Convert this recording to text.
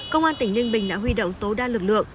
công an tỉnh ninh bình đã huy động tối đa lực lượng